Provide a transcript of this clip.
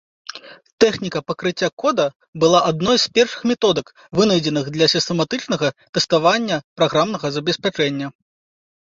Тэхніка пакрыцця кода была адной з першых методык, вынайдзеных для сістэматычнага тэставання праграмнага забеспячэння.